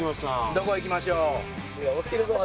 どこ行きましょう？